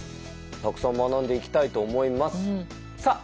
たくさん学んでいきたいと思います。